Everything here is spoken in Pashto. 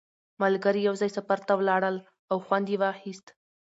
ملګري یو ځای سفر ته ولاړل او خوند یې واخیست